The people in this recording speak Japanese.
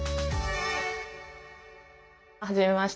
はじめまして。